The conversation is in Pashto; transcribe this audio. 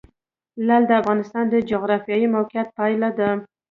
لعل د افغانستان د جغرافیایي موقیعت پایله ده.